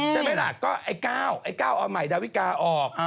ใช่มั้ยล่ะก็ไอ้ก้าวเอาใหม่ดาวิกาออก